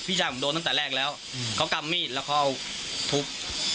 พี่ชายผมโดนตั้งแต่แรกแล้วเขากำมีดแล้วเขาทุบ